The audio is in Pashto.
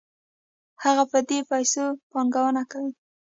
هغه په دې پیسو پانګونه کوي